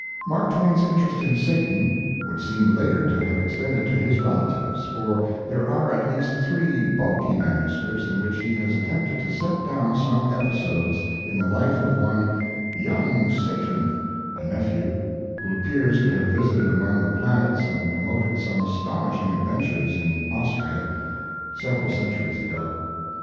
Mark Twain's interest in Satan would seem later to have extended to his relatives, for there are at least three bulky manuscripts in which he has attempted to set down some episodes in the life of one "Young Satan," a nephew, who appears to have visited among the planets and promoted some astonishing adventures in Austria several centuries ago.